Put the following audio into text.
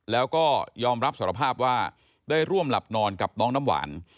แล้วก็ยอมรับสารภาพว่าได้ร่วมหลับนอนกับน้องน้ำหวาน